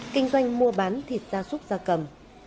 kinh doanh mua bán thịt gia súc gia cầm